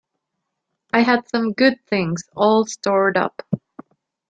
I had some good things all stored up.